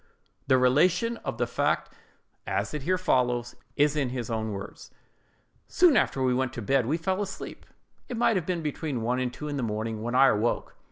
The relation of the fact, as it here follows, is in his own words:— "Soon after we went to bed, we fell asleep: it might have been between one and two in the morning when I awoke.